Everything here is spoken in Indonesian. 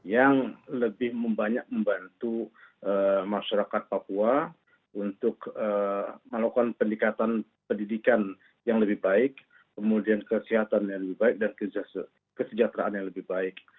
yang lebih banyak membantu masyarakat papua untuk melakukan pendekatan pendidikan yang lebih baik kemudian kesehatan yang lebih baik dan kesejahteraan yang lebih baik